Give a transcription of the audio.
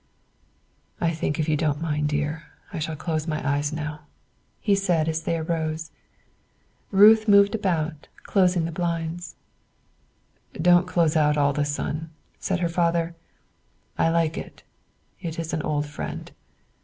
'" "I think if you don't mind, dear, I shall close my eyes now," he said as they arose. Ruth moved about, closing the blinds. "Don't close out all the sun," said her father; "I like it, it is an old friend.